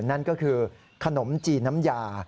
นั่นก็คือขนมจีนน้ำยา